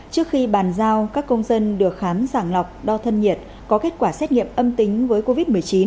trước khi bàn giao các công dân được khám sàng lọc đo thân nhiệt có kết quả xét nghiệm âm tính với covid một mươi chín